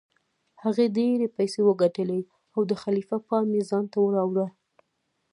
هغه ډیرې پیسې وګټلې او د خلیفه پام یې ځانته راواړوه.